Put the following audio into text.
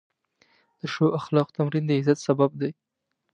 د ښو اخلاقو تمرین د عزت سبب دی.